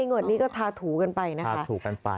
งวดนี้ก็ทาถูกันไปนะคะ